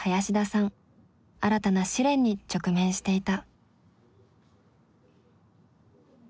新たな試練に直面していた。